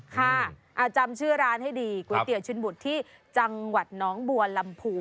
ค่ะจำชื่อร้านให้ดีก๋วยเตี๋ยชินบุตรที่จังหวัดน้องบัวลำพู